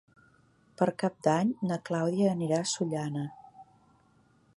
Per Cap d'Any na Clàudia anirà a Sollana.